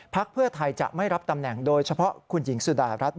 พักเพื่อไทยจะไม่รับตำแหน่งโดยเฉพาะคุณหญิงสุดารัฐเกยุราพันธ์